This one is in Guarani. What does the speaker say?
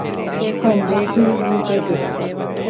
¡Ha nde ekirirĩ upépe!